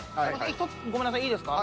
１つごめんなさいいいですか？